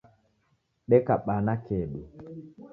deka bana kedu